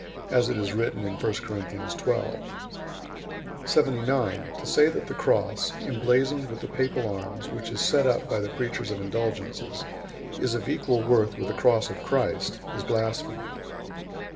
as it is written in I. Corinthians xii. 79. To say that the cross, emblazoned with the papal arms, which is set up [by the preachers of indulgences], is of equal worth with the Cross of Christ, is blasphemy.